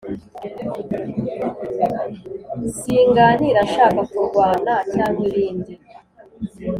Singanira nshaka kurwana cyangwa ibindi